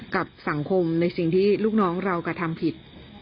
กับสังคมในสิ่งที่ลูกน้องเรากระทำผิด